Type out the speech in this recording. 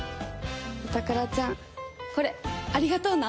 お宝ちゃんこれありがとうな！